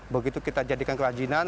begitu kita jadikan kerajinan